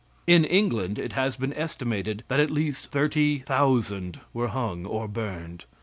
In England it has been estimated that at least 30,000 were hung or burned.